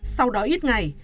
sau đó ít ngày